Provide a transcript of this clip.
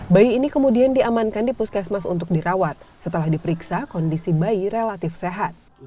bayi ini kemudian diamankan di puskesmas untuk dirawat setelah diperiksa kondisi bayi relatif sehat